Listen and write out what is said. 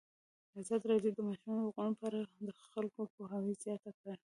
ازادي راډیو د د ماشومانو حقونه په اړه د خلکو پوهاوی زیات کړی.